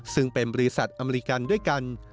ซึ่งเป็นบริษัทอเมริกันด้วยกัน